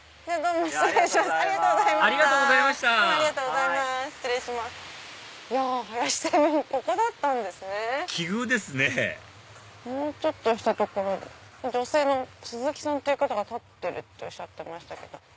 もうちょっとした所に女性の鈴木さんという方が立ってるとおっしゃってたけど。